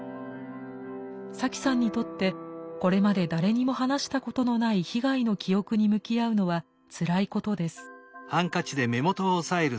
サキさんにとってこれまで誰にも話したことのない被害の記憶に向き合うのはつらいことです。